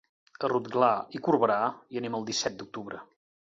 A Rotglà i Corberà hi anem el disset d'octubre.